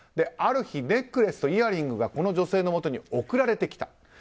ある日ネックレスとイヤリングがこの女性のもとに送られてきた。